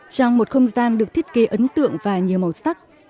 trong một không gian được thiết kế ấn tượng và nhiều màu sắc